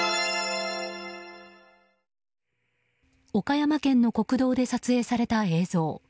岡山県の国道で撮影された映像。